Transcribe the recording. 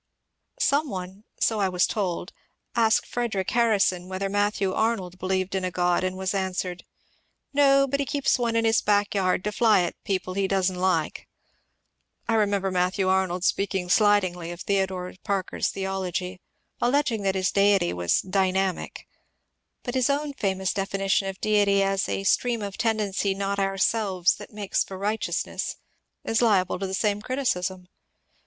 ^ Some one — so I was told — asked Frederic Harrison whether Matthew Arnold believed in a God, and was answered :^^ No, but he keeps one in his back yard to fly at people he does n't like." I remember Matthew Arnold speaking slight higly of Theodore Parker's theology, alleging that his deity was ^^ dynamic." But his own famous definition of deity as *^ a stream of tendency not ourselves that makes for righteousness " is liable to the same criticism.